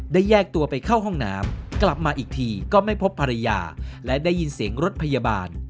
ได้ยินเสียงรถพยาบาล